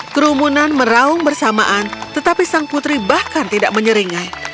kerumunan meraung bersamaan tetapi sang putri bahkan tidak menyeringai